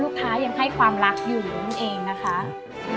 ลูกค้ยังให้ความรักอยู่นั่นเอง